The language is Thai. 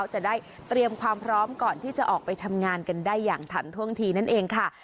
จะได้เตรียมความพร้อมก่อนที่จะออกไปทำงานกันได้อย่างทันท่วงทีนั่นเองค่ะ